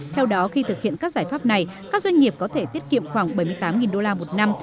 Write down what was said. theo đó khi thực hiện các giải pháp này các doanh nghiệp có thể tiết kiệm khoảng bảy mươi tám đô la một năm